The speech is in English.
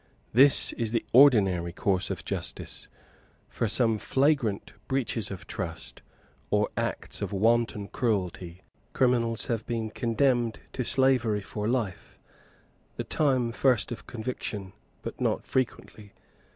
This is the ordinary course of justice. For some flagrant breaches of trust, or acts of wanton cruelty, criminals have been condemned to slavery for life the first time of conviction, but not frequently.